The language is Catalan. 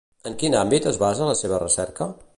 En quin àmbit es basa la seva recerca?